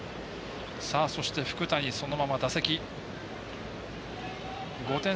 そして、福谷、そのまま打席。